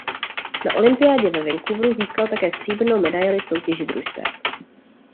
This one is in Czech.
Na olympiádě ve Vancouveru získal také stříbrnou medaili v soutěži družstev.